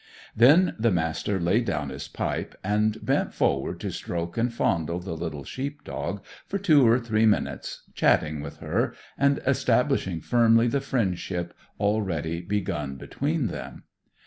Then the Master laid down his pipe, and bent forward to stroke and fondle the little sheep dog for two or three minutes, chatting with her, and establishing firmly the friendship already begun between them.